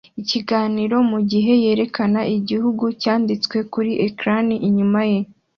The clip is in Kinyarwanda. ikiganiro mugihe yerekana igihugu cyanditswe kuri ecran inyuma ye